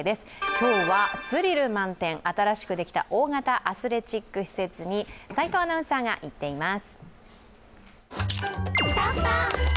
今日はスリル満点、新しくできた大型アスレチック施設に齋藤アナウンサーが行っています。